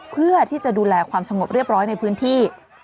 เพื่อที่จะดูแลความสงบเรียบร้อยในพื้นที่